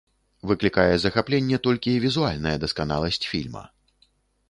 Выклікае захапленне толькі візуальная дасканаласць фільма.